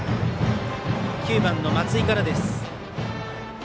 ９番の松井からです。